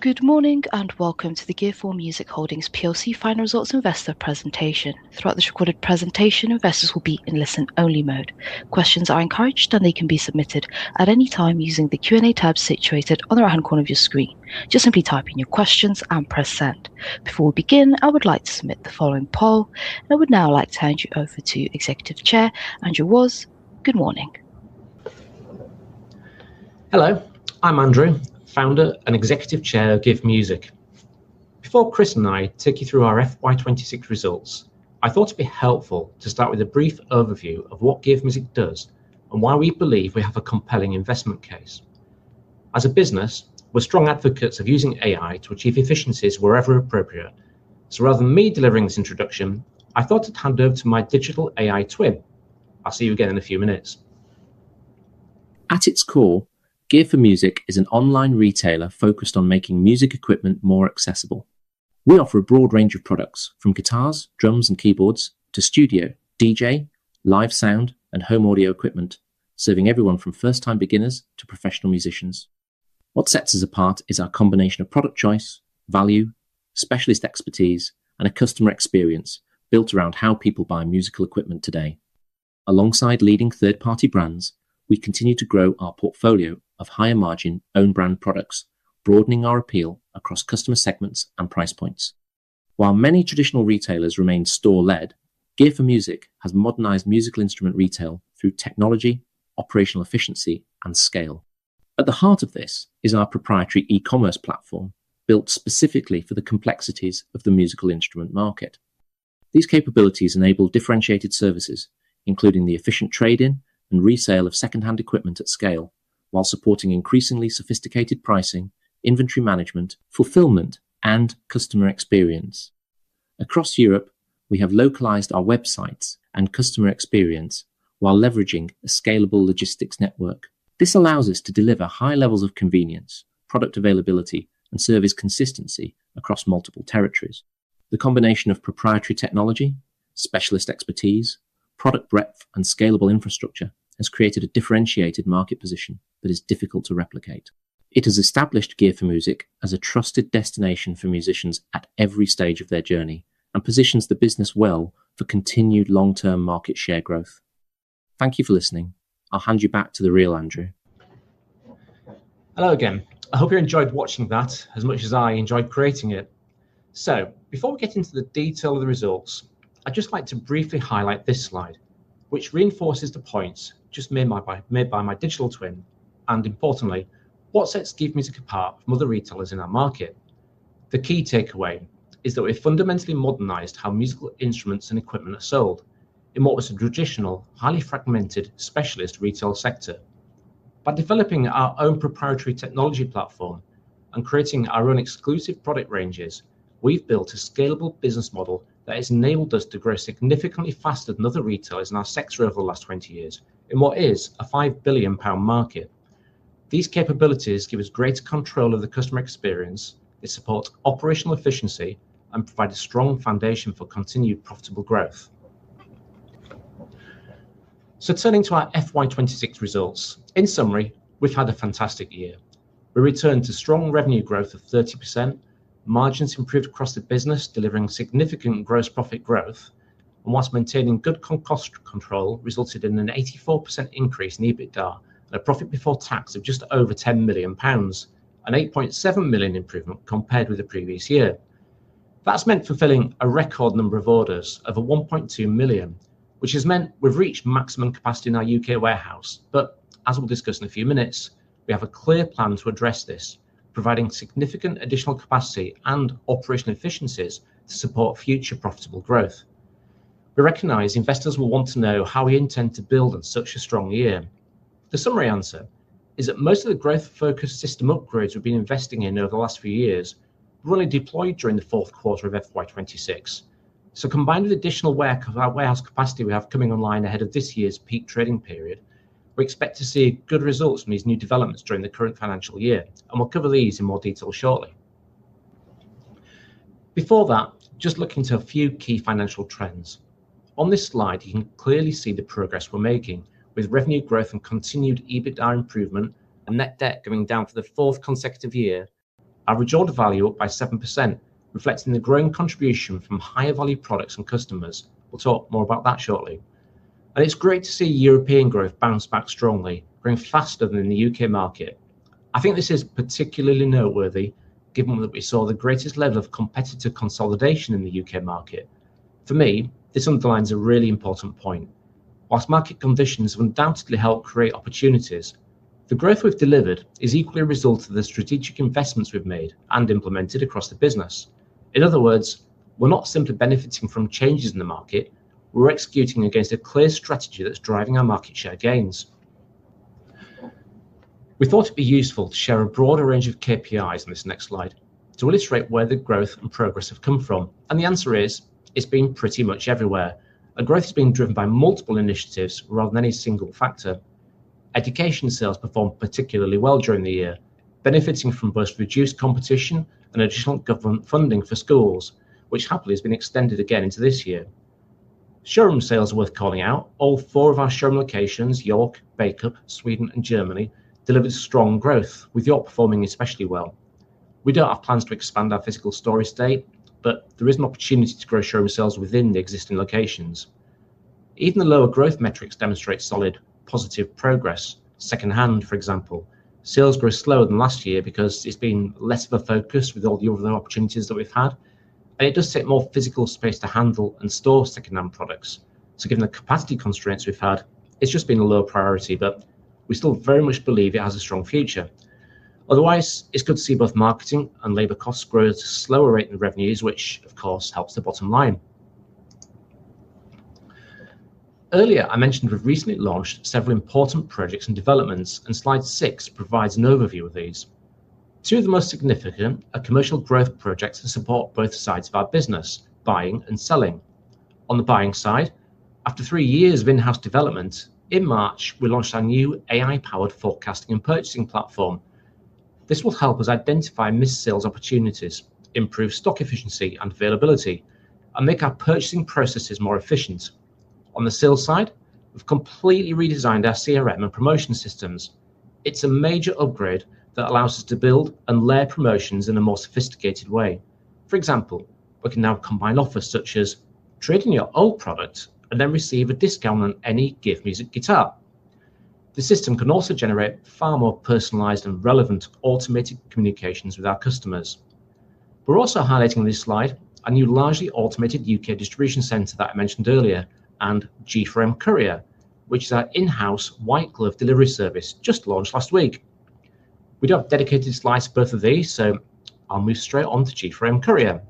Good morning. Welcome to the Gear4music (Holdings) plc final results investor presentation. Throughout this recorded presentation, investors will be in listen-only mode. Questions are encouraged. They can be submitted at any time using the Q&A tab situated on the right-hand corner of your screen. Just simply type in your questions and press send. Before we begin, I would like to submit the following poll. I would now like to hand you over to Executive Chair Andrew Wass. Good morning. Hello. I'm Andrew, founder and executive chair of Gear4music. Before Chris and I take you through our FY 2026 results, I thought it'd be helpful to start with a brief overview of what Gear4music does and why we believe we have a compelling investment case. As a business, we're strong advocates of using AI to achieve efficiencies wherever appropriate. Rather than me delivering this introduction, I thought I'd hand over to my digital AI twin. I'll see you again in a few minutes. At its core, Gear4music is an online retailer focused on making music equipment more accessible. We offer a broad range of products, from guitars, drums, and keyboards to studio, DJ, live sound, and home audio equipment, serving everyone from first-time beginners to professional musicians. What sets us apart is our combination of product choice, value, specialist expertise, and a customer experience built around how people buy musical equipment today. Alongside leading third-party brands, we continue to grow our portfolio of higher margin own-brand products, broadening our appeal across customer segments and price points. While many traditional retailers remain store-led, Gear4music has modernized musical instrument retail through technology, operational efficiency, and scale. At the heart of this is our proprietary e-commerce platform, built specifically for the complexities of the musical instrument market. These capabilities enable differentiated services, including the efficient trade-in and resale of secondhand equipment at scale while supporting increasingly sophisticated pricing, inventory management, fulfillment, and customer experience. Across Europe, we have localized our websites and customer experience while leveraging a scalable logistics network. This allows us to deliver high levels of convenience, product availability, and service consistency across multiple territories. The combination of proprietary technology, specialist expertise, product breadth, and scalable infrastructure has created a differentiated market position that is difficult to replicate. It has established Gear4music as a trusted destination for musicians at every stage of their journey and positions the business well for continued long-term market share growth. Thank you for listening. I'll hand you back to the real Andrew. Hello again. I hope you enjoyed watching that as much as I enjoyed creating it. Before we get into the detail of the results, I'd just like to briefly highlight this slide, which reinforces the points just made by my digital twin. Importantly, what sets Gear4music apart from other retailers in our market. The key takeaway is that we fundamentally modernized how musical instruments and equipment are sold in what was a traditional, highly fragmented specialist retail sector. By developing our own proprietary technology platform and creating our own exclusive product ranges, we've built a scalable business model that has enabled us to grow significantly faster than other retailers in our sector over the last 20 years in what is a 5 billion pound market. These capabilities give us greater control of the customer experience, they support operational efficiency, and provide a strong foundation for continued profitable growth. Turning to our FY 2026 results. In summary, we've had a fantastic year. We returned to strong revenue growth of 30%, margins improved across the business, delivering significant gross profit growth, and whilst maintaining good cost control resulted in an 84% increase in EBITDA and a profit before tax of just over 10 million pounds, a 8.7 million improvement compared with the previous year. That's meant fulfilling a record number of orders of over 1.2 million, which has meant we've reached maximum capacity in our U.K. warehouse. As we'll discuss in a few minutes, we have a clear plan to address this, providing significant additional capacity and operational efficiencies to support future profitable growth. We recognize investors will want to know how we intend to build on such a strong year. The summary answer is that most of the growth-focused system upgrades we've been investing in over the last few years were only deployed during the fourth quarter of FY 2026. Combined with additional warehouse capacity we have coming online ahead of this year's peak trading period, we expect to see good results from these new developments during the current financial year, and we'll cover these in more detail shortly. Before that, just looking to a few key financial trends. On this slide, you can clearly see the progress we're making with revenue growth and continued EBITDA improvement, and net debt going down for the fourth consecutive year. Our average order value up by 7%, reflecting the growing contribution from higher value products and customers. We'll talk more about that shortly. It's great to see European growth bounce back strongly, growing faster than in the U.K. market. I think this is particularly noteworthy given that we saw the greatest level of competitive consolidation in the U.K. market. For me, this underlines a really important point. Whilst market conditions have undoubtedly helped create opportunities, the growth we've delivered is equally a result of the strategic investments we've made and implemented across the business. In other words, we're not simply benefiting from changes in the market. We're executing against a clear strategy that's driving our market share gains. We thought it'd be useful to share a broader range of KPIs on this next slide to illustrate where the growth and progress have come from. The answer is it's been pretty much everywhere. Growth has been driven by multiple initiatives rather than any single factor. Education sales performed particularly well during the year, benefiting from both reduced competition and additional government funding for schools, which happily has been extended again into this year. Showroom sales are worth calling out. All four of our showroom locations, York, Bacup, Sweden, and Germany, delivered strong growth, with York performing especially well. We don't have plans to expand our physical store estate, but there is an opportunity to grow showroom sales within the existing locations. Even the lower growth metrics demonstrate solid, positive progress. Secondhand, for example, sales grew slower than last year because it's been less of a focus with all the other opportunities that we've had, and it does take more physical space to handle and store secondhand products. Given the capacity constraints we've had, it's just been a lower priority, but we still very much believe it has a strong future. Otherwise, it's good to see both marketing and labor costs grow at a slower rate than revenues, which of course helps the bottom line. Earlier, I mentioned we've recently launched several important projects and developments. Slide six provides an overview of these. Two of the most significant are commercial growth projects that support both sides of our business, buying and selling. On the buying side, after three years of in-house development, in March, we launched our new AI-powered forecasting and purchasing platform. This will help us identify missed sales opportunities, improve stock efficiency and availability, and make our purchasing processes more efficient. On the sales side, we've completely redesigned our CRM and promotion systems. It's a major upgrade that allows us to build and layer promotions in a more sophisticated way. For example, we can now combine offers such as trade in your old product and then receive a discount on any Gear4music guitar. The system can also generate far more personalized and relevant automated communications with our customers. We're also highlighting on this slide a new largely automated U.K. distribution center that I mentioned earlier, and G4M Courier, which is our in-house white glove delivery service just launched last week. We don't have dedicated slides for both of these. I'll move straight on to G4M Courier.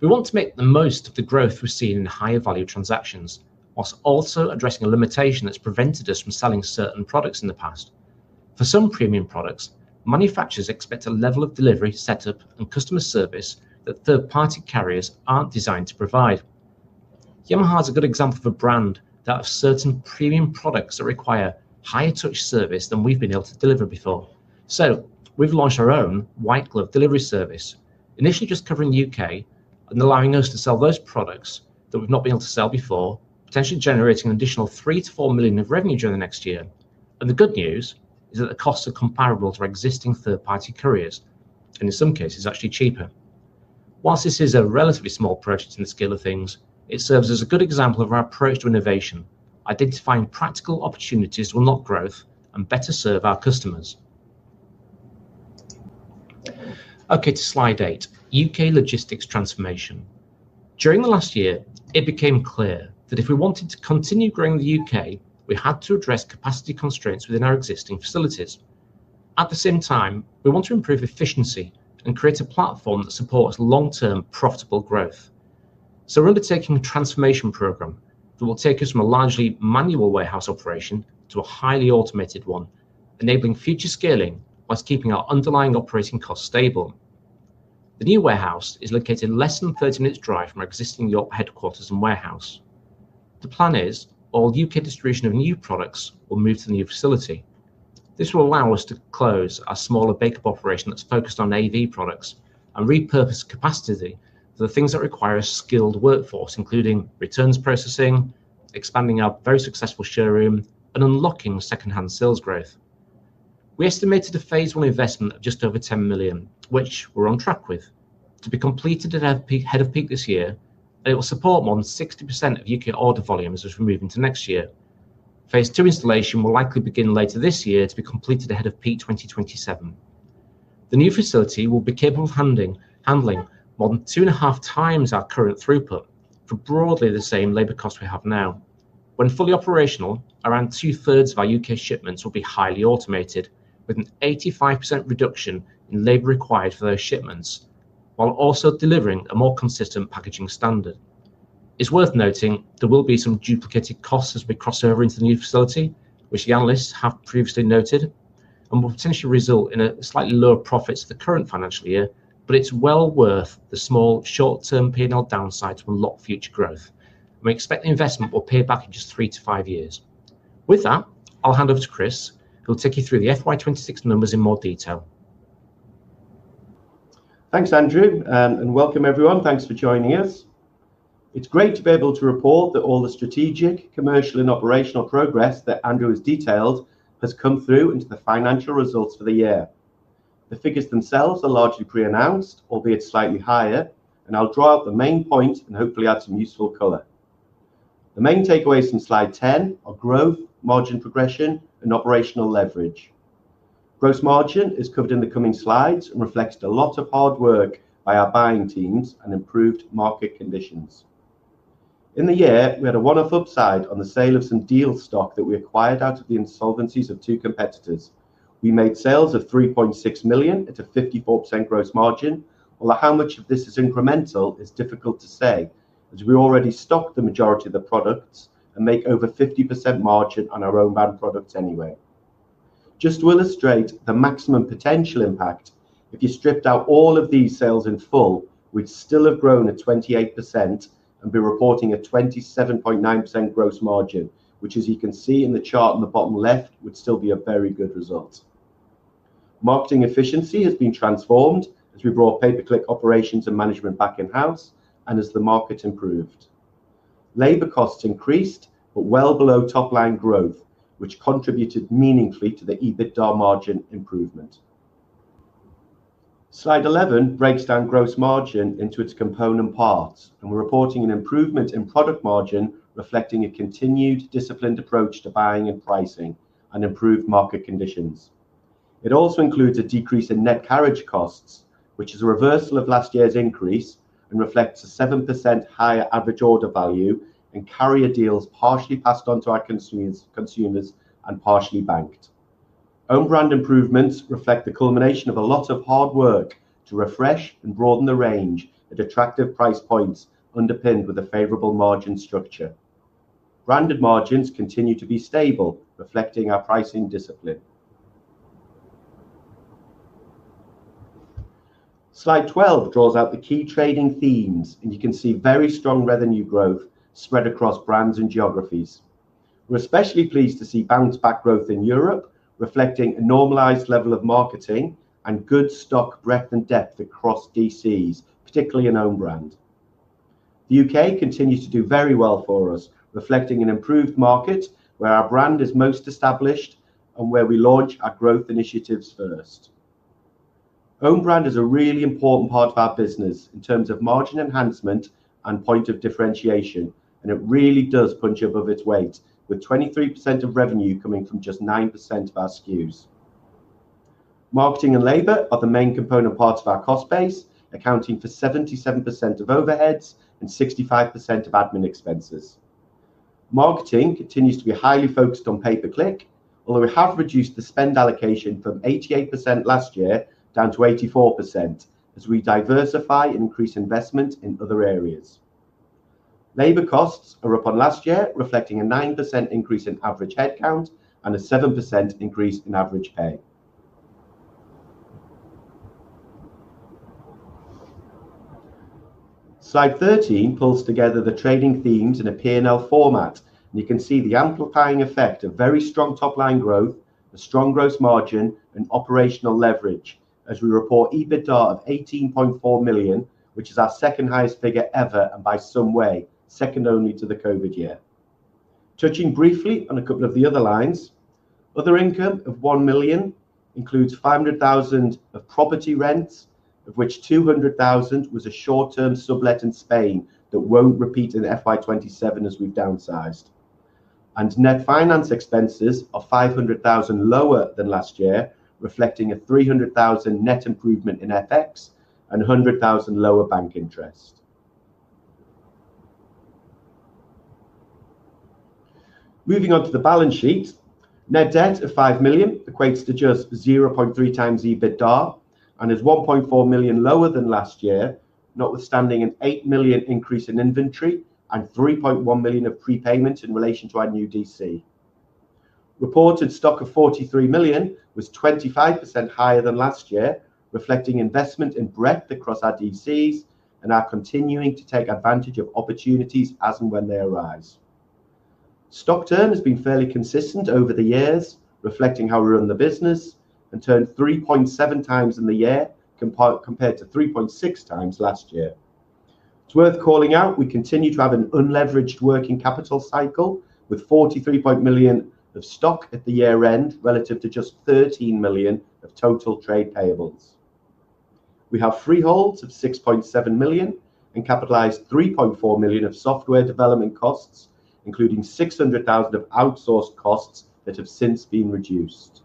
We want to make the most of the growth we're seeing in higher value transactions, whilst also addressing a limitation that's prevented us from selling certain products in the past. For some premium products, manufacturers expect a level of delivery, set up, and customer service that third-party carriers aren't designed to provide. Yamaha is a good example of a brand that have certain premium products that require higher touch service than we've been able to deliver before. We've launched our own white glove delivery service, initially just covering the U.K. and allowing us to sell those products that we've not been able to sell before, potentially generating an additional 3 million-4 million of revenue during the next year. The good news is that the costs are comparable to our existing third-party couriers, and in some cases, actually cheaper. Whilst this is a relatively small project in the scale of things, it serves as a good example of our approach to innovation, identifying practical opportunities to unlock growth and better serve our customers. Okay, to slide eight, U.K. logistics transformation. During the last year, it became clear that if we wanted to continue growing the U.K., we had to address capacity constraints within our existing facilities. At the same time, we want to improve efficiency and create a platform that supports long-term profitable growth. We're undertaking a transformation program that will take us from a largely manual warehouse operation to a highly automated one, enabling future scaling while keeping our underlying operating costs stable. The new warehouse is located less than 30 minutes drive from our existing York headquarters and warehouse. The plan is all U.K. distribution of new products will move to the new facility. This will allow us to close our smaller Bacup operation that's focused on AV products and repurpose capacity for the things that require a skilled workforce, including returns processing, expanding our very successful showroom, and unlocking secondhand sales growth. We estimated a phase 1 investment of just over 10 million, which we're on track with, to be completed ahead of peak this year, and it will support more than 60% of U.K. order volumes as we move into next year. Phase 2 installation will likely begin later this year to be completed ahead of peak 2027. The new facility will be capable of handling more than two and a half times our current throughput for broadly the same labor cost we have now. When fully operational, around two-thirds of our U.K. shipments will be highly automated with an 85% reduction in labor required for those shipments, while also delivering a more consistent packaging standard. It's worth noting there will be some duplicated costs as we cross over into the new facility, which the analysts have previously noted, and will potentially result in slightly lower profits for the current financial year, but it's well worth the small short-term P&L downside to unlock future growth. We expect the investment will pay back in just three to five years. With that, I'll hand over to Chris, who'll take you through the FY 2026 numbers in more detail. Thanks, Andrew, and welcome everyone. Thanks for joining us. It's great to be able to report that all the strategic, commercial, and operational progress that Andrew has detailed has come through into the financial results for the year. The figures themselves are largely pre-announced, albeit slightly higher, and I'll draw out the main points and hopefully add some useful color. The main takeaways from slide 10 are growth, margin progression, and operational leverage. Gross margin is covered in the coming slides and reflects a lot of hard work by our buying teams and improved market conditions. In the year, we had a one-off upside on the sale of some deal stock that we acquired out of the insolvencies of two competitors. We made sales of 3.6 million at a 54% gross margin, although how much of this is incremental is difficult to say, as we already stock the majority of the products and make over 50% margin on our own brand products anyway. Just to illustrate the maximum potential impact, if you stripped out all of these sales in full, we'd still have grown at 28% and be reporting a 27.9% gross margin, which as you can see in the chart on the bottom left, would still be a very good result. Marketing efficiency has been transformed as we brought pay-per-click operations and management back in-house. As the market improved, labor costs increased, well below top-line growth, which contributed meaningfully to the EBITDA margin improvement. Slide 11 breaks down gross margin into its component parts. We're reporting an improvement in product margin reflecting a continued disciplined approach to buying and pricing and improved market conditions. It also includes a decrease in net carriage costs, which is a reversal of last year's increase and reflects a 7% higher average order value and carrier deals partially passed on to our consumers and partially banked. Own brand improvements reflect the culmination of a lot of hard work to refresh and broaden the range at attractive price points, underpinned with a favorable margin structure. Branded margins continue to be stable, reflecting our pricing discipline. Slide 12 draws out the key trading themes. You can see very strong revenue growth spread across brands and geographies. We're especially pleased to see bounce-back growth in Europe, reflecting a normalized level of marketing and good stock breadth and depth across DCs, particularly in own brand. The U.K. continues to do very well for us, reflecting an improved market where our brand is most established and where we launch our growth initiatives first. Own brand is a really important part of our business in terms of margin enhancement and point of differentiation. It really does punch above its weight, with 23% of revenue coming from just 9% of our SKUs. Marketing and labor are the main component parts of our cost base, accounting for 77% of overheads and 65% of admin expenses. Marketing continues to be highly focused on pay-per-click, although we have reduced the spend allocation from 88% last year down to 84% as we diversify and increase investment in other areas. Labor costs are up on last year, reflecting a 9% increase in average headcount and a 7% increase in average pay. Slide 13 pulls together the trading themes in a P&L format. You can see the amplifying effect of very strong top-line growth, a strong gross margin, and operational leverage as we report EBITDA of 18.4 million, which is our second highest figure ever, and by some way, second only to the COVID year. Touching briefly on a couple of the other lines, other income of 1 million includes 500,000 of property rents, of which 200,000 was a short-term sublet in Spain that won't repeat in FY 2027 as we've downsized. Net finance expenses are 500,000 lower than last year, reflecting a 300,000 net improvement in FX and 100,000 lower bank interest. Moving on to the balance sheet, net debt of 5 million equates to just 0.3 times EBITDA and is 1.4 million lower than last year, notwithstanding an 8 million increase in inventory and 3.1 million of prepayment in relation to our new DC. Reported stock of 43 million was 25% higher than last year, reflecting investment in breadth across our DCs and our continuing to take advantage of opportunities as and when they arise. Stock turn has been fairly consistent over the years, reflecting how we run the business, and turned 3.7 times in the year compared to 3.6 times last year. It's worth calling out we continue to have an unleveraged working capital cycle with 43 million of stock at the year end relative to just 13 million of total trade payables. We have freeholds of 6.7 million and capitalized 3.4 million of software development costs, including 600,000 of outsourced costs that have since been reduced.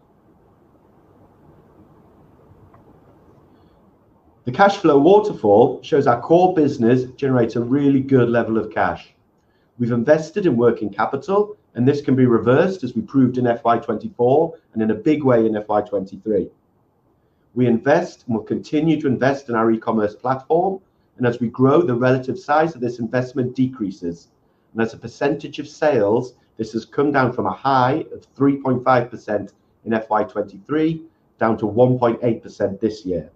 The cash flow waterfall shows our core business generates a really good level of cash. We've invested in working capital, and this can be reversed as we proved in FY 2024, and in a big way in FY 2023. We invest and will continue to invest in our e-commerce platform, and as we grow, the relative size of this investment decreases. As a percentage of sales, this has come down from a high of 3.5% in FY 2023, down to 1.8% this year.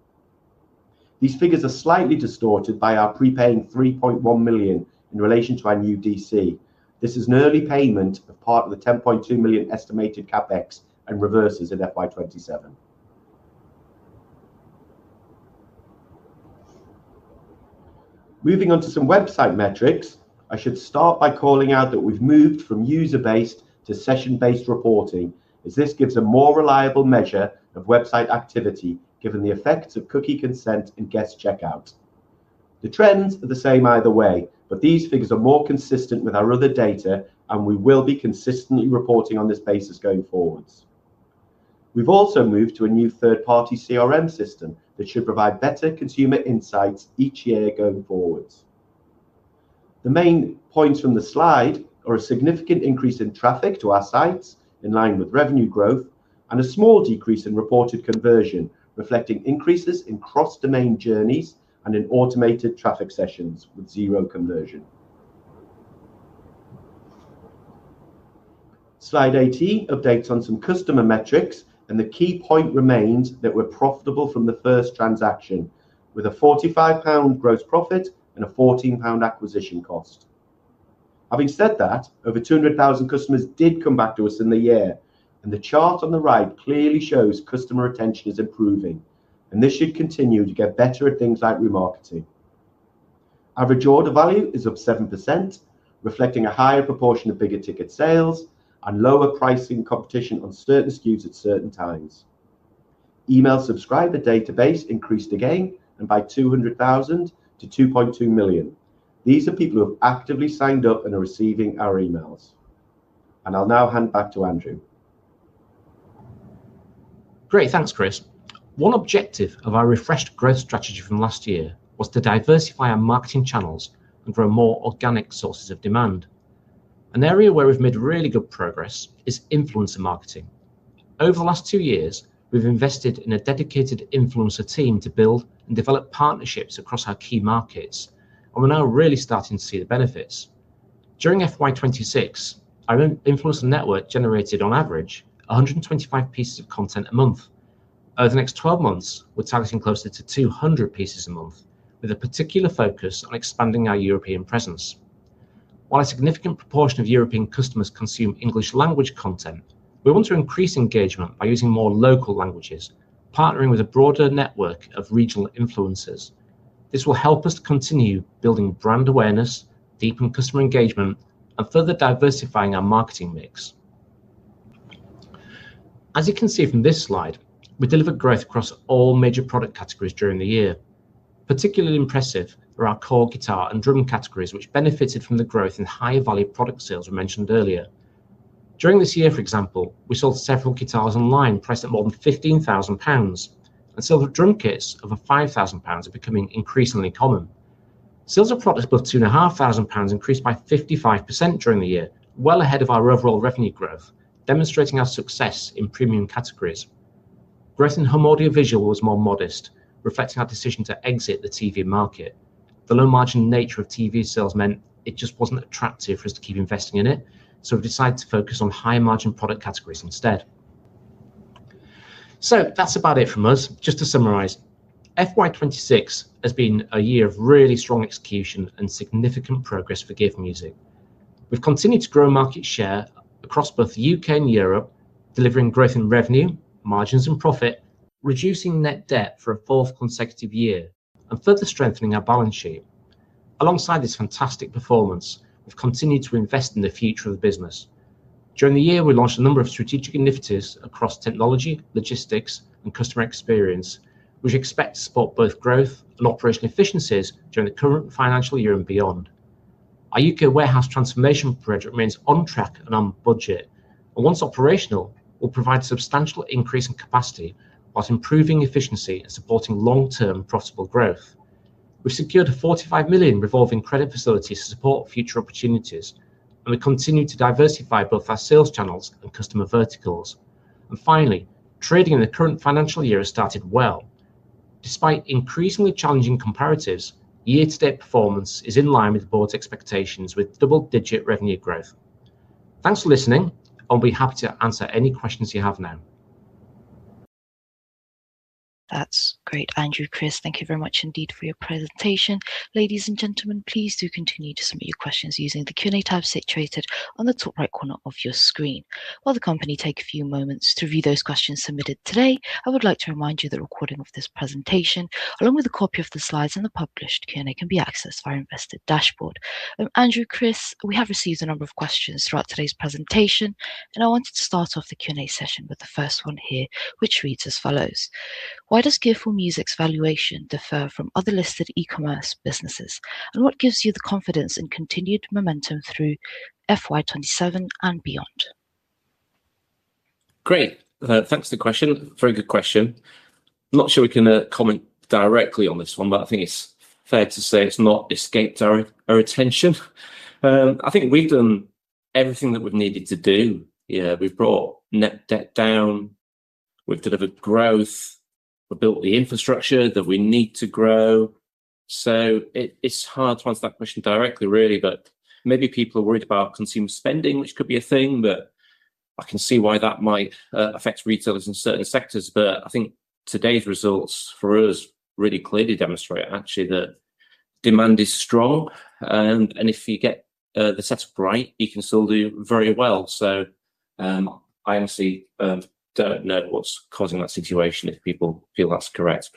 These figures are slightly distorted by our prepaying 3.1 million in relation to our new DC. This is an early payment of part of the 10.2 million estimated CapEx and reverses at FY 2027. Moving on to some website metrics, I should start by calling out that we've moved from user-based to session-based reporting, as this gives a more reliable measure of website activity given the effects of cookie consent and guest checkout. The trends are the same either way, but these figures are more consistent with our other data. We will be consistently reporting on this basis going forwards. We've also moved to a new third-party CRM system that should provide better consumer insights each year going forwards. The main points from the slide are a significant increase in traffic to our sites, in line with revenue growth. A small decrease in reported conversion, reflecting increases in cross-domain journeys and in automated traffic sessions with zero conversion. Slide 18 updates on some customer metrics. The key point remains that we're profitable from the first transaction, with a 45 pound gross profit and a 14 pound acquisition cost. Having said that, over 200,000 customers did come back to us in the year, and the chart on the right clearly shows customer retention is improving, and this should continue to get better at things like remarketing. Average order value is up 7%, reflecting a higher proportion of bigger ticket sales and lower pricing competition on certain SKUs at certain times. Email subscriber database increased again and by 200,000 to 2.2 million. These are people who have actively signed up and are receiving our emails. I'll now hand back to Andrew. Great. Thanks, Chris. One objective of our refreshed growth strategy from last year was to diversify our marketing channels and grow more organic sources of demand. An area where we've made really good progress is influencer marketing. Over the last two years, we've invested in a dedicated influencer team to build and develop partnerships across our key markets, and we're now really starting to see the benefits. During FY 2026, our influencer network generated on average 125 pieces of content a month. Over the next 12 months, we're targeting closer to 200 pieces a month, with a particular focus on expanding our European presence. While a significant proportion of European customers consume English language content, we want to increase engagement by using more local languages, partnering with a broader network of regional influencers. This will help us to continue building brand awareness, deepen customer engagement, and further diversifying our marketing mix. As you can see from this slide, we delivered growth across all major product categories during the year. Particularly impressive were our core guitar and drum categories, which benefited from the growth in higher value product sales we mentioned earlier. During this year, for example, we sold several guitars online priced at more than 15,000 pounds, and sold the drum kits over 5,000 pounds are becoming increasingly common. Sales of products above 2,500 pounds increased by 55% during the year, well ahead of our overall revenue growth, demonstrating our success in premium categories. Growth in home audio visual was more modest, reflecting our decision to exit the TV market. The low margin nature of TV sales meant it just wasn't attractive for us to keep investing in it, we've decided to focus on higher margin product categories instead. That's about it from us. Just to summarize, FY 2026 has been a year of really strong execution and significant progress for Gear4music. We've continued to grow market share across both the U.K. and Europe, delivering growth in revenue, margins, and profit, reducing net debt for a fourth consecutive year and further strengthening our balance sheet. Alongside this fantastic performance, we've continued to invest in the future of the business. During the year, we launched a number of strategic initiatives across technology, logistics, and customer experience, which we expect to support both growth and operational efficiencies during the current financial year and beyond. Our U.K. warehouse transformation project remains on track and on budget, and once operational, will provide a substantial increase in capacity whilst improving efficiency and supporting long term profitable growth. We've secured a 45 million revolving credit facility to support future opportunities, and we continue to diversify both our sales channels and customer verticals. Finally, trading in the current financial year has started well. Despite increasingly challenging comparatives, year-to-date performance is in line with Board's expectations with double-digit revenue growth. Thanks for listening and we are happy to answer any questions you have now. That is great, Andrew, Chris, thank you very much indeed for your presentation. Ladies and gentlemen, please do continue to submit your questions using the Q&A tab situated on the top right corner of your screen. While the company takes a few moments to review those questions submitted today, I would like to remind you that a recording of this presentation, along with a copy of the slides and the published Q&A, can be accessed via investor dashboard. Andrew, Chris, we have received a number of questions throughout today's presentation, and I wanted to start off the Q&A session with the first one here, which reads as follows: Why does Gear4music's valuation differ from other listed e-commerce businesses, and what gives you the confidence in continued momentum through FY 2027 and beyond? Great. Thanks for the question. Very good question. Not sure we can comment directly on this one, but I think it is fair to say it is not escaped our attention. I think we have done everything that we have needed to do. We have brought net debt down. We have delivered growth. We have built the infrastructure that we need to grow. It is hard to answer that question directly, really, but maybe people are worried about consumer spending, which could be a thing, I can see why that might affect retailers in certain sectors. I think today's results for us really clearly demonstrate actually that demand is strong, and if you get the setup right, you can still do very well. I honestly do not know what is causing that situation if people feel that is correct.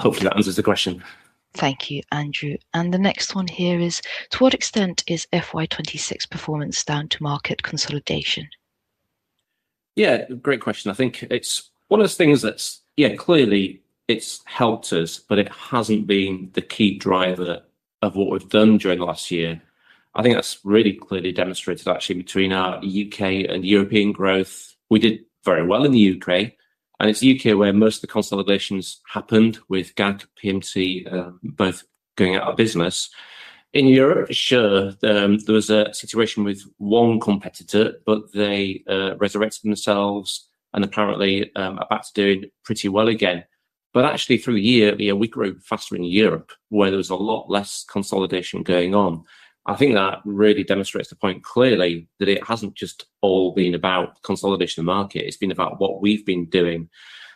Hopefully that answers the question. Thank you, Andrew. The next one here is, to what extent is FY 2026 performance down to market consolidation? Great question. I think it's one of those things that's clearly it's helped us, but it hasn't been the key driver of what we've done during the last year. I think that's really clearly demonstrated actually between our U.K. and European growth. We did very well in the U.K., and it's U.K. where most of the consolidations happened with GAK and PMT both going out of business. In Europe, sure, there was a situation with one competitor, but they resurrected themselves and apparently are back to doing pretty well again. Actually through the year, we grew faster in Europe where there was a lot less consolidation going on. I think that really demonstrates the point clearly that it hasn't just all been about consolidation of market, it's been about what we've been doing.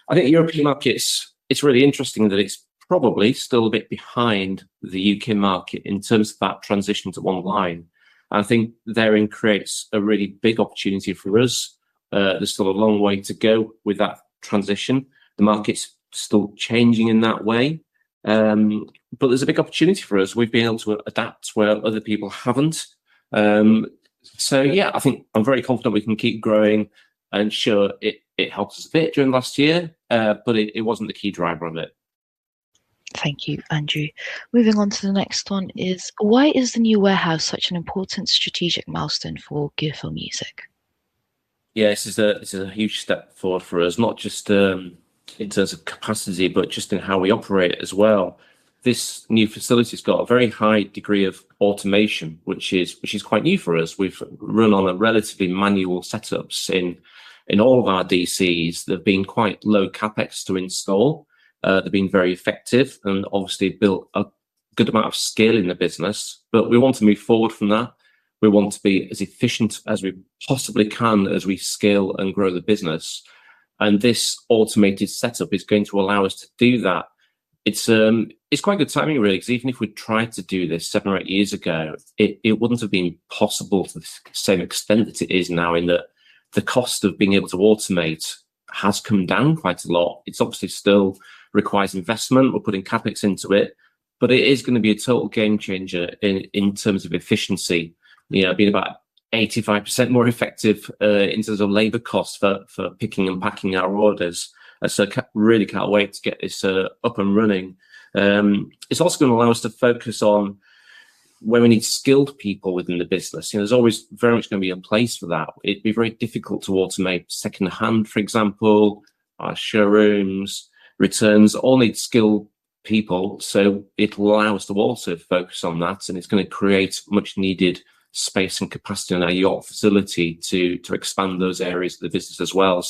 I think European markets, it's really interesting that it's probably still a bit behind the U.K. market in terms of that transition to online. I think therein creates a really big opportunity for us. There's still a long way to go with that transition. The market's still changing in that way. There's a big opportunity for us. We've been able to adapt where other people haven't. I think I'm very confident we can keep growing, and sure, it helped us a bit during the last year, but it wasn't the key driver of it. Thank you, Andrew. Moving on to the next one is, why is the new warehouse such an important strategic milestone for Gear4music? This is a huge step for us, not just in terms of capacity, but just in how we operate as well. This new facility's got a very high degree of automation, which is quite new for us. We've run on a relatively manual setups in all of our DCs. They've been quite low CapEx to install. They've been very effective and obviously built a good amount of scale in the business. We want to move forward from that. We want to be as efficient as we possibly can as we scale and grow the business, and this automated setup is going to allow us to do that. It's quite good timing, really, because even if we tried to do this seven or eight years ago, it wouldn't have been possible to the same extent that it is now in that the cost of being able to automate has come down quite a lot. It obviously still requires investment. We're putting CapEx into it, but it is going to be a total game changer in terms of efficiency. Being about 85% more effective in terms of labor costs for picking and packing our orders. Really can't wait to get this up and running. It's also going to allow us to focus on where we need skilled people within the business. There's always very much going to be a place for that. It'd be very difficult to automate second-hand, for example, our showrooms, returns, all need skilled people. It allows us to also focus on that, and it's going to create much needed space and capacity in our York facility to expand those areas of the business as well.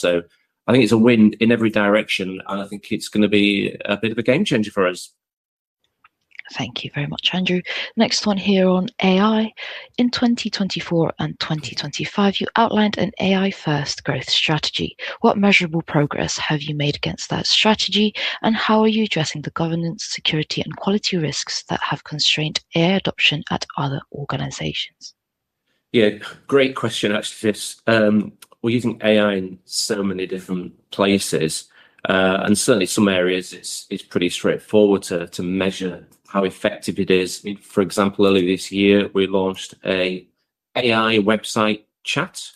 I think it's a win in every direction, and I think it's going to be a bit of a game changer for us. Thank you very much, Andrew. Next one here on AI. In 2024 and 2025, you outlined an AI-first growth strategy. What measurable progress have you made against that strategy, and how are you addressing the governance, security, and quality risks that have constrained AI adoption at other organizations? Yeah. Great question, actually, Chris. We're using AI in so many different places. Certainly, some areas, it's pretty straightforward to measure how effective it is. For example, earlier this year, we launched an AI website chat,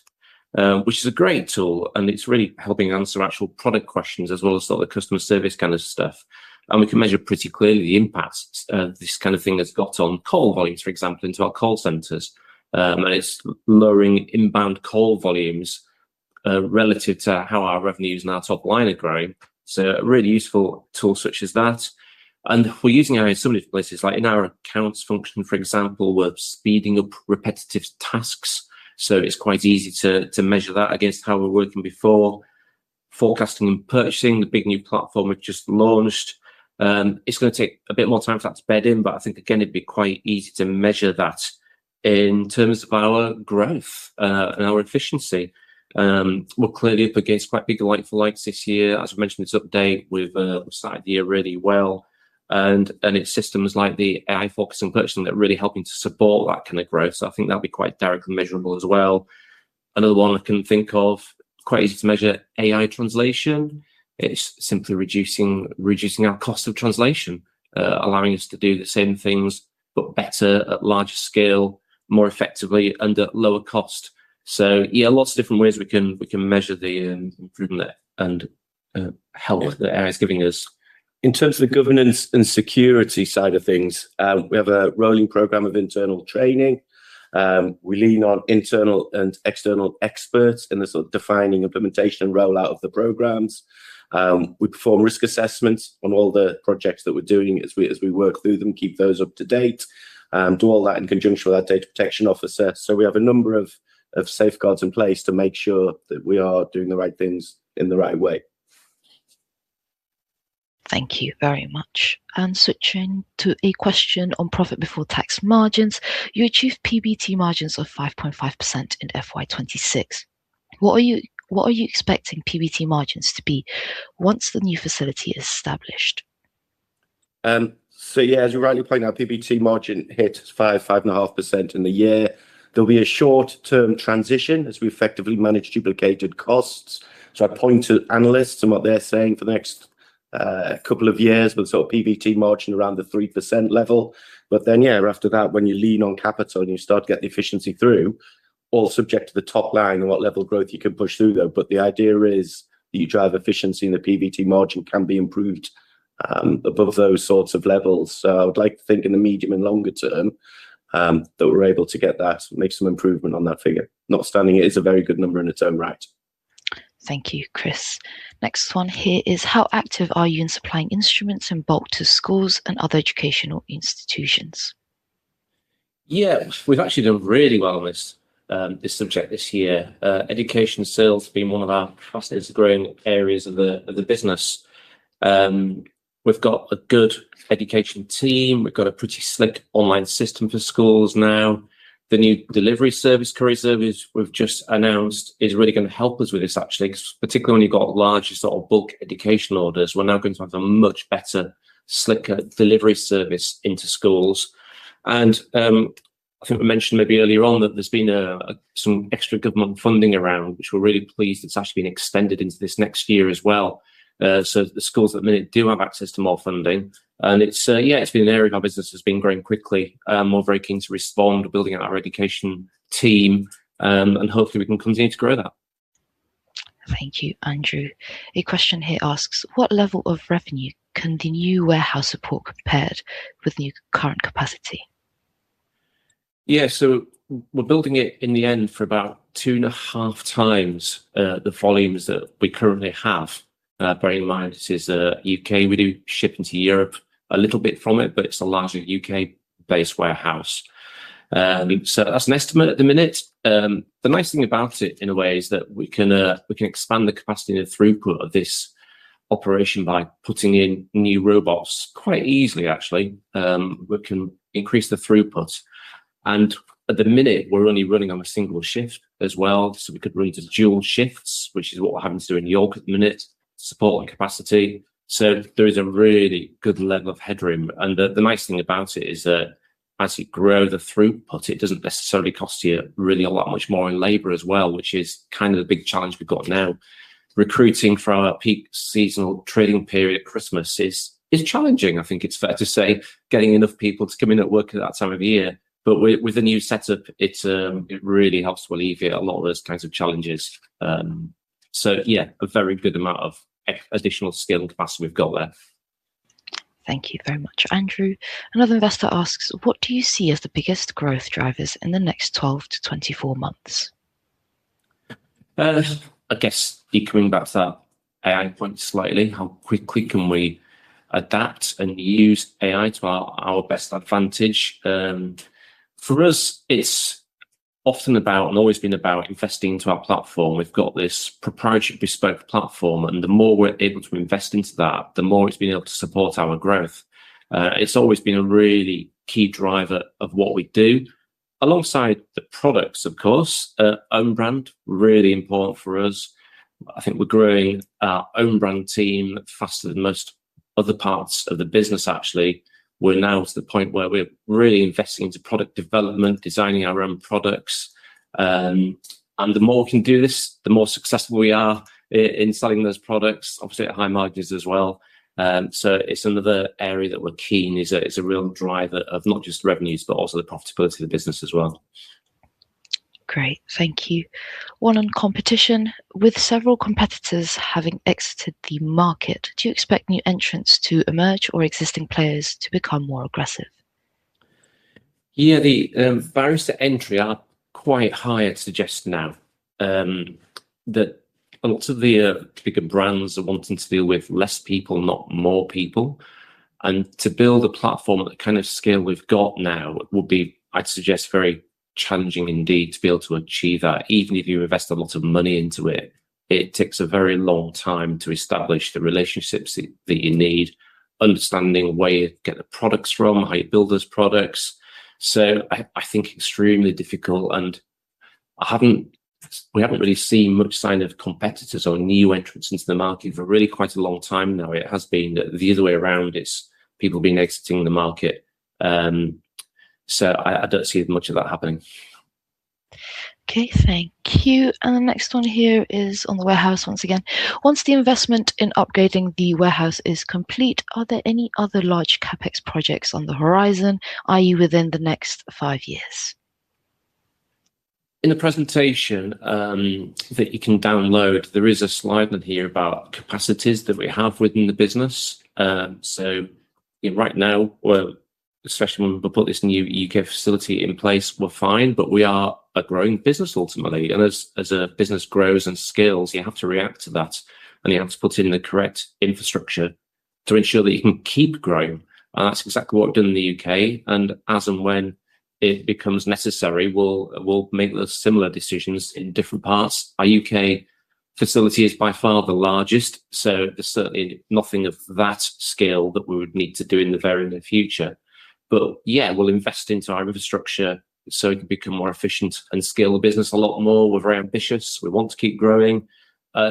which is a great tool, and it's really helping answer actual product questions as well as sort of the customer service kind of stuff. We can measure pretty clearly the impact this kind of thing has got on call volumes, for example, into our call centers. It's lowering inbound call volumes, relative to how our revenues and our top line are growing. A really useful tool such as that. We're using AI in so many places. Like in our accounts function, for example, we're speeding up repetitive tasks. It's quite easy to measure that against how we were working before. Forecasting and purchasing, the big new platform we've just launched, it's going to take a bit more time for that to bed in, but I think, again, it'd be quite easy to measure that. In terms of our growth and our efficiency, we're clearly up against quite big like for likes this year. As we mentioned, it's up to date. We've started the year really well, and it's systems like the AI focus and purchasing that are really helping to support that kind of growth. I think that'll be quite directly measurable as well. Another one I can think of, quite easy to measure, AI translation. It's simply reducing our cost of translation, allowing us to do the same things but better at larger scale, more effectively under lower cost. Lots of different ways we can measure the improvement there and help that AI's giving us. In terms of the governance and security side of things, we have a rolling program of internal training. We lean on internal and external experts in the sort of defining implementation and rollout of the programs. We perform risk assessments on all the projects that we're doing as we work through them, keep those up to date, do all that in conjunction with our data protection officer. We have a number of safeguards in place to make sure that we are doing the right things in the right way. Thank you very much. Switching to a question on profit before tax margins. You achieved PBT margins of 5.5% in FY 2026. What are you expecting PBT margins to be once the new facility is established? As you rightly point out, PBT margin hit 5.5% in the year. There'll be a short-term transition as we effectively manage duplicated costs. I point to analysts and what they're saying for the next couple of years, with sort of PBT margin around the 3% level. After that, when you lean on capital and you start to get the efficiency through, all subject to the top line and what level of growth you can push through, though. The idea is that you drive efficiency and the PBT margin can be improved above those sorts of levels. I would like to think in the medium and longer term, that we're able to get that, make some improvement on that figure. Not stunning. It is a very good number in its own right. Thank you, Chris. Next one here is how active are you in supplying instruments in bulk to schools and other educational institutions? Yeah. We've actually done really well on this subject this year. Education sales have been one of our fastest-growing areas of the business. We've got a good education team. We've got a pretty slick online system for schools now. The new delivery service, courier service we've just announced is really going to help us with this, actually, because particularly when you've got larger sort of bulk educational orders, we're now going to have a much better, slicker delivery service into schools. I think we mentioned maybe earlier on that there's been some extra government funding around, which we're really pleased. It's actually been extended into this next year as well. The schools at the minute do have access to more funding, and it's been an area of our business that's been growing quickly, and we're very keen to respond. We're building out our education team, and hopefully we can continue to grow that. Thank you, Andrew. A question here asks, what level of revenue can the new warehouse support compared with the current capacity? Yeah. We're building it in the end for about two and a half times the volumes that we currently have. Bearing in mind this is U.K., we do ship into Europe a little bit from it, but it's a largely U.K.-based warehouse. That's an estimate at the minute. The nice thing about it in a way is that we can expand the capacity and the throughput of this operation by putting in new robots quite easily, actually. We can increase the throughput, and at the minute we're only running on a single shift as well. We could run dual shifts, which is what we're having to do in York at the minute, support and capacity. There is a really good level of headroom, and the nice thing about it is that as you grow the throughput, it doesn't necessarily cost you really a lot much more in labor as well, which is kind of the big challenge we've got now. Recruiting for our peak seasonal trading period at Christmas is challenging, I think it's fair to say. Getting enough people to come in at work at that time of year. With the new setup, it really helps alleviate a lot of those kinds of challenges. Yeah, a very good amount of additional scale capacity we've got there. Thank you very much, Andrew. Another investor asks, what do you see as the biggest growth drivers in the next 12 to 24 months? I guess echoing back to that AI point slightly, how quickly can we adapt and use AI to our best advantage? For us, it's often about, and always been about investing into our platform. We've got this proprietary bespoke platform. The more we're able to invest into that, the more it's been able to support our growth. It's always been a really key driver of what we do alongside the products of course. Own brand, really important for us. I think we're growing our own brand team faster than most other parts of the business, actually. We're now to the point where we are really investing into product development, designing our own products. The more we can do this, the more successful we are in selling those products, obviously at high margins as well. It's another area that we're keen. It's a real driver of not just revenues, but also the profitability of the business as well. Great, thank you. One on competition. With several competitors having exited the market, do you expect new entrants to emerge or existing players to become more aggressive? Yeah, the barriers to entry are quite high, I'd suggest now. That lots of the bigger brands are wanting to deal with less people, not more people. To build a platform at the kind of scale we've got now would be, I'd suggest, very challenging indeed to be able to achieve that. Even if you invest a lot of money into it takes a very long time to establish the relationships that you need, understanding where you get the products from, how you build those products. I think extremely difficult, and we haven't really seen much sign of competitors or new entrants into the market for really quite a long time now. It has been the other way around. It's people being exiting the market. I don't see much of that happening. Okay, thank you. The next one here is on the warehouse once again. Once the investment in upgrading the warehouse is complete, are there any other large CapEx projects on the horizon, i.e. within the next five years? In the presentation that you can download, there is a slide in here about capacities that we have within the business. Right now, especially when we put this new U.K. facility in place, we're fine, but we are a growing business ultimately, and as a business grows and scales, you have to react to that, and you have to put in the correct infrastructure to ensure that you can keep growing. That's exactly what I've done in the U.K., and as and when it becomes necessary, we'll make those similar decisions in different parts. Our U.K. facility is by far the largest, so there's certainly nothing of that scale that we would need to do in the very near future. Yeah, we'll invest into our infrastructure so it can become more efficient and scale the business a lot more. We're very ambitious. We want to keep growing.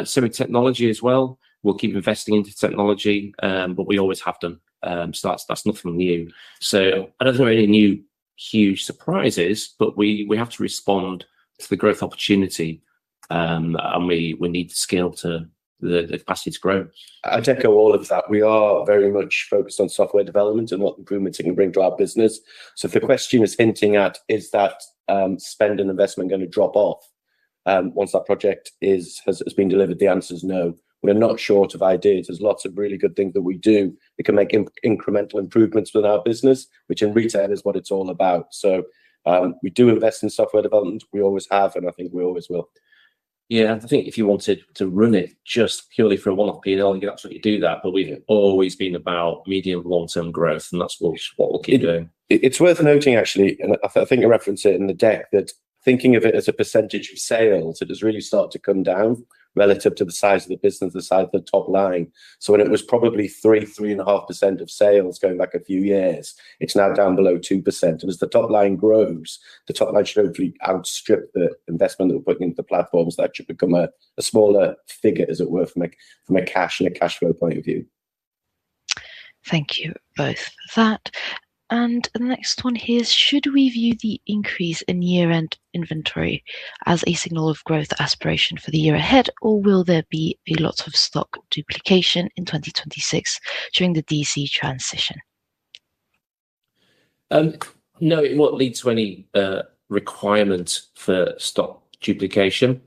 Similar technology as well. We'll keep investing into technology, but we always have done, so that's nothing new. I don't know any new huge surprises, but we have to respond to the growth opportunity. We need the scale to, the capacity to grow. I'd echo all of that. We are very much focused on software development and what improvements it can bring to our business. If the question is hinting at is that spend and investment going to drop off, once that project has been delivered, the answer's no. We are not short of ideas. There's lots of really good things that we do that can make incremental improvements within our business, which in retail is what it's all about. We do invest in software development. We always have, and I think we always will. Yeah, I think if you wanted to run it just purely for a one-off P&L, you could absolutely do that, but we've always been about medium, long-term growth. That's what we'll keep doing. It's worth noting, actually, I think I reference it in the deck, that thinking of it as a percentage of sales, it has really started to come down relative to the size of the business, the size of the top line. When it was probably 3%-3.5% of sales going back a few years, it's now down below 2%. As the top line grows, the top line should hopefully outstrip the investment that we're putting into the platforms. That should become a smaller figure, as it were, from a cash and a cash flow point of view Thank you both for that. The next one here is, should we view the increase in year-end inventory as a signal of growth aspiration for the year ahead, or will there be lots of stock duplication in 2026 during the DC transition? No, it won't lead to any requirement for stock duplication.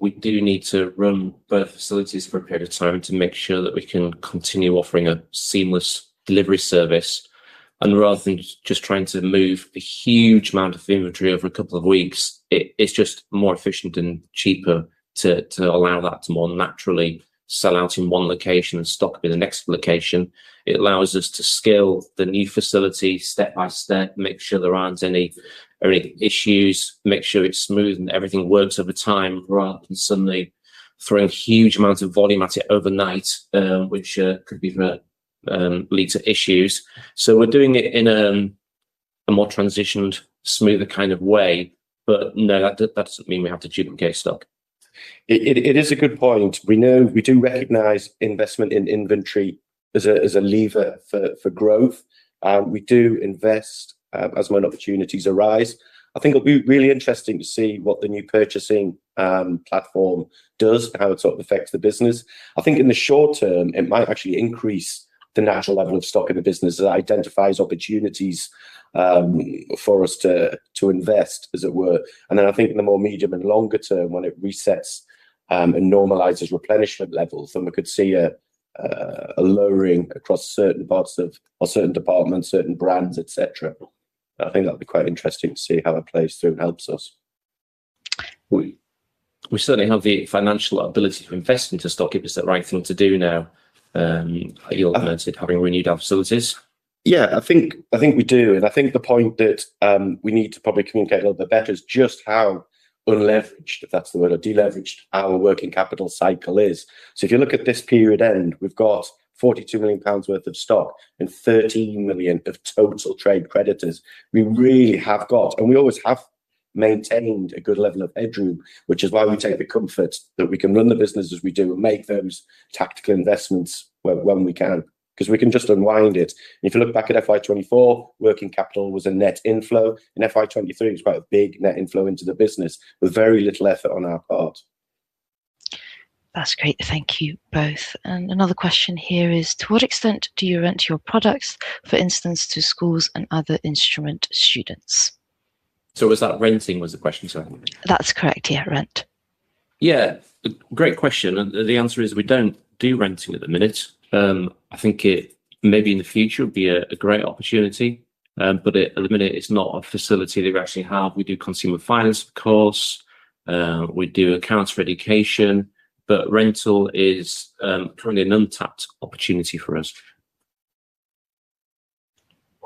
We do need to run both facilities for a period of time to make sure that we can continue offering a seamless delivery service. Rather than just trying to move a huge amount of inventory over a couple of weeks, it's just more efficient and cheaper to allow that to more naturally sell out in one location and stock up in the next location. It allows us to scale the new facility step by step, make sure there aren't any issues, make sure it's smooth and everything works over time rather than suddenly throwing huge amounts of volume at it overnight, which could lead to issues. We're doing it in a more transitioned, smoother kind of way. No, that doesn't mean we have to duplicate stock. It is a good point. We do recognize investment in inventory as a lever for growth. We do invest as when opportunities arise. I think it'll be really interesting to see what the new purchasing platform does, how it affects the business. I think in the short term, it might actually increase the natural level of stock in the business as it identifies opportunities for us to invest, as it were. Then I think in the more medium and longer term, when it resets and normalizes replenishment levels, then we could see a lowering across certain parts of, or certain departments, certain brands, et cetera. I think that'll be quite interesting to see how it plays through and helps us. We certainly have the financial ability to invest into stock. It's the right thing to do now, like you alluded, having renewed our facilities. Yeah, I think we do. I think the point that we need to probably communicate a little bit better is just how unleveraged, if that's the word, or deleveraged our working capital cycle is. If you look at this period end, we've got 42 million pounds worth of stock and 13 million of total trade creditors. We really have got, and we always have maintained a good level of headroom, which is why we take the comfort that we can run the business as we do and make those tactical investments when we can, because we can just unwind it. If you look back at FY 2024, working capital was a net inflow. In FY 2023, it was quite a big net inflow into the business with very little effort on our part. That's great. Thank you both. Another question here is, to what extent do you rent your products, for instance, to schools and other instrument students? Was that renting was the question, sorry? That's correct, yeah, rent. Yeah. Great question. The answer is we don't do renting at the minute. I think it may be in the future would be a great opportunity, at the minute, it's not a facility that we actually have. We do consumer finance, of course. We do accounts for education. Rental is currently an untapped opportunity for us.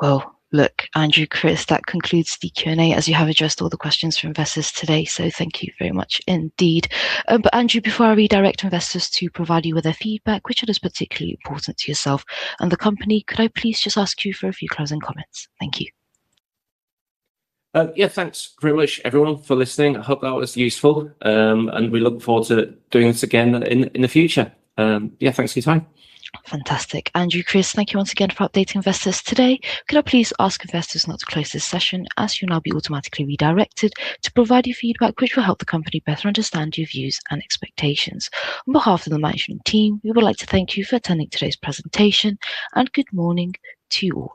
Well, look, Andrew, Chris, that concludes the Q&A, as you have addressed all the questions from investors today. Thank you very much indeed. Andrew, before I redirect investors to provide you with their feedback, which I know is particularly important to yourself and the company, could I please just ask you for a few closing comments? Thank you. Yeah, thanks very much, everyone, for listening. I hope that was useful. We look forward to doing this again in the future. Yeah, thanks for your time. Fantastic. Andrew, Chris, thank you once again for updating investors today. Could I please ask investors now to close this session as you'll now be automatically redirected to provide your feedback, which will help the company better understand your views and expectations. On behalf of the management team, we would like to thank you for attending today's presentation, and good morning to you all